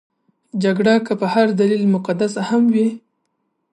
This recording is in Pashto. جګړه که په هر دلیل مقدسه هم وي.